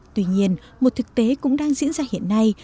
tuy nhiên một thực tế cũng đang diễn ra hiện nay